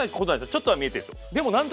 ちょっとは見えてる。